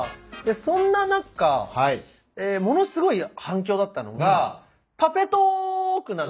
でそんな中ものすごい反響だったのが「パペトーーク！」